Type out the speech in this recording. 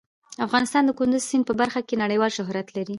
افغانستان د کندز سیند په برخه کې نړیوال شهرت لري.